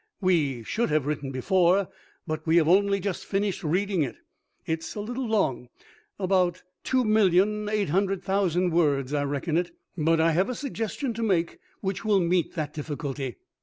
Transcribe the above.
We should have written before, but we have only just finished reading it. It is a little long about two million eight hundred thousand words, I reckon it but I have a suggestion to make which will meet that difficulty.